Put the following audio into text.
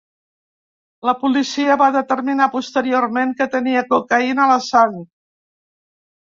La policia va determinar, posteriorment, que tenia cocaïna a la sang.